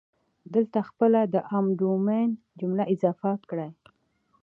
دلته خپله د عام ډومین جمله اضافه کړئ.